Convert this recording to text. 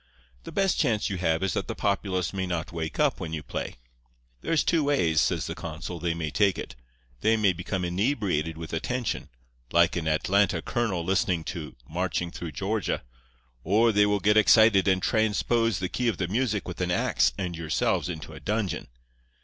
The best chance you have is that the populace may not wake up when you play. There's two ways,' says the consul, 'they may take it. They may become inebriated with attention, like an Atlanta colonel listening to "Marching Through Georgia," or they will get excited and transpose the key of the music with an axe and yourselves into a dungeon.